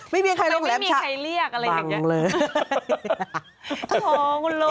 ไม่มีใครลงรำชักบังเลยอืมทำไมไม่มีใครเรียกอะไรแบบนี้